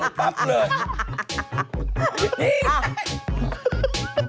ตัวครั้งเห็นถือก๊าว